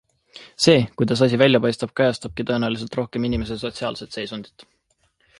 See, kuidas asi välja paistab, kajastabki tõenäoliselt rohkem inimese sotsiaalset seisundit.